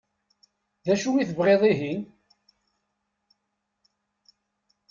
D acu i tebɣiḍ ihi?